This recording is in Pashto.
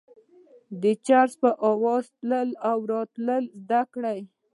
د جرس په اوزا تلل او راتلل زده کړه.